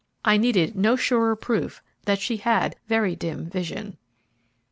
I needed no surer proof that she had very dim vision.